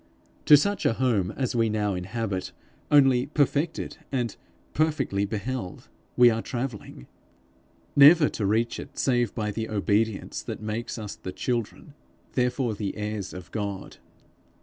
To such a home as we now inhabit, only perfected, and perfectly beheld, we are travelling never to reach it save by the obedience that makes us the children, therefore the heirs of God.